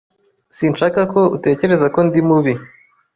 Sinshaka ko utekereza ko ndi mubi.